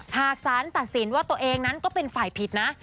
หากสารตัดสินว่าตัวเองนั้นก็เป็นฝ่ายผิดนะ